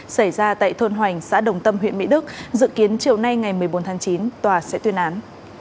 xảy ra tại thôn hoành xã đồng tâm huyện mỹ đức dự kiến chiều nay ngày một mươi bốn tháng chín tòa sẽ tuyên án